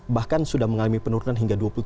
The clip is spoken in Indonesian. bahkan sudah mengalami penurunan hingga sekarang